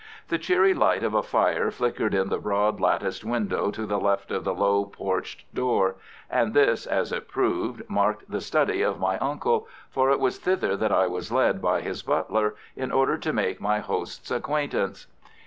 The cheery light of a fire flickered in the broad, latticed window to the left of the low porched door, and this, as it proved, marked the study of my uncle, for it was thither that I was led by his butler in order to make my host's acquaintance.